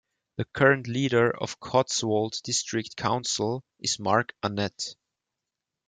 The current leader of Cotswold District Council is Mark Annett.